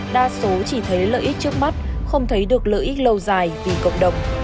đa số chỉ thấy lợi ích trước mắt không thấy được lợi ích lâu dài vì cộng đồng